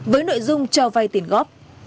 với nội dung cho vay tiền góp